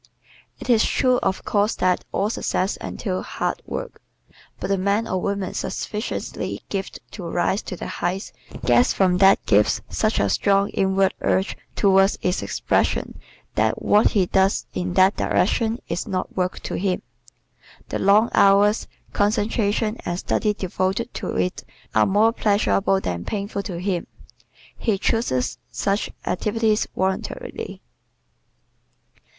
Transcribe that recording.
It is true of course that all success entails hard work. But the man or woman sufficiently gifted to rise to the heights gets from that gift such a strong inward urge towards its expression that what he does in that direction is not work to him. The long hours, concentration and study devoted to it are more pleasurable than painful to him. He chooses such activities voluntarily.